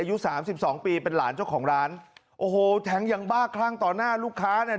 อายุสามสิบสองปีเป็นหลานเจ้าของร้านโอ้โหแท้งยังบ้าคลั่งต่อหน้าลูกค้าเนี่ย